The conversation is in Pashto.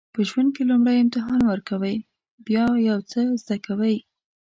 په ژوند کې لومړی امتحان ورکوئ بیا یو څه زده کوئ.